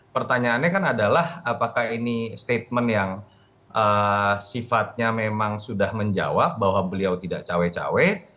pertanyaannya kan adalah apakah ini statement yang sifatnya memang sudah menjawab bahwa beliau tidak cawe cawe